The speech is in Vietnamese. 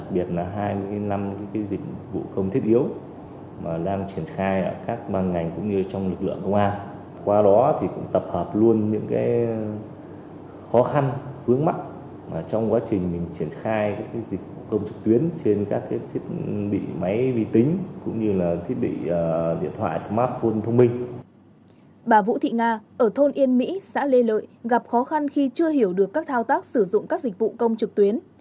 bà vũ thị nga ở thôn yên mỹ xã lê lợi gặp khó khăn khi chưa hiểu được các thao tác sử dụng các dịch vụ công trực tuyến